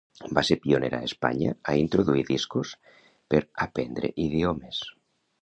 Va ser pionera a Espanya a introduir discos per aprendre idiomes.